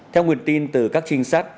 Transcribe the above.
theo nguyện tin từ các trinh sát